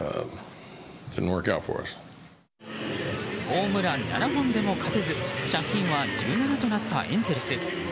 ホームラン７本でも勝てず借金は１７となったエンゼルス。